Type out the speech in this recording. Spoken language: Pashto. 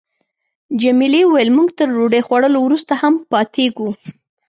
جميلې وويل: موږ تر ډوډۍ خوړلو وروسته هم پاتېږو.